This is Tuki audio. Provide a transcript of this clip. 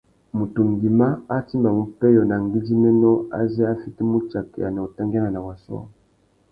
Mutu ngüimá a timbamú pêyô na ngüidjiménô azê a fitimú utsakeya na utangüiana na wa sôō.